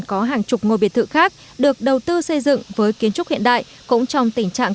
có hàng chục ngôi biệt thự khác được đầu tư xây dựng với kiến trúc hiện đại cũng trong tình trạng